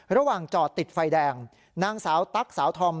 ระหว่างจอดติดไฟแดงนางสาวตั๊กสาวธอม